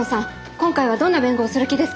今回はどんな弁護をする気ですか？